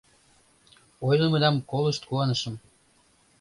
— Ойлымыдам колышт куанышым.